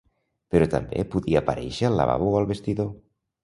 Però també podia aparèixer al lavabo o al vestidor.